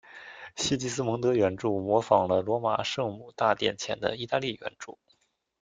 西吉斯蒙德圆柱模仿了罗马圣母大殿前的意大利圆柱。